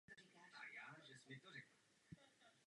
V soutěži se doprovází na kytaru.